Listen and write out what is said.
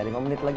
lima menit lagi